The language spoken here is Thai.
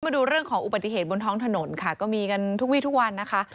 มาดูเรื่องของอุบัติเหตุบนท้องถนนค่ะก็มีกันทุกวีทุกวันนะคะ